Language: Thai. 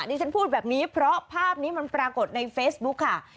ที่ฉันพูดแบบนี้เพราะภาพนี้มันปรากฏในเฟซบุ๊คค่ะ